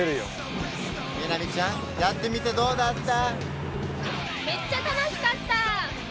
みなみちゃんやってみてどうだった？